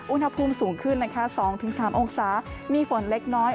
อุณหภูมิสูงขึ้นนะคะสองถึงสามองศามีฝนเล็กน้อย